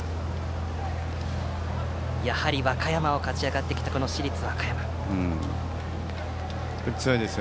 和歌山を勝ち上がってきた市立和歌山です。